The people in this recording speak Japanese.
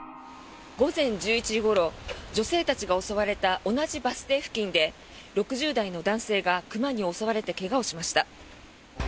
午前１１時ごろ女性たちが襲われた同じバス停付近で６０代の男性が熊に襲われて怪我をしました。